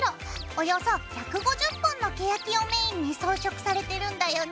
およそ１５０本のケヤキをメインに装飾されてるんだよね。